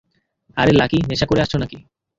আরে লাকি, নেশা করে আসছো নাকি?